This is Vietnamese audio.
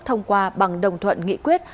thông qua bằng đồng thuận nghị quyết